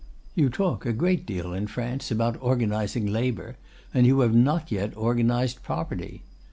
You talk a great deal in France about organizing labor, and you have not yet organized property.